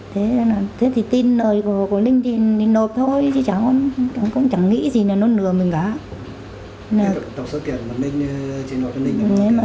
thế thì tin lời của ninh thì nộp thôi chứ chẳng nghĩ gì là nó lừa mình cả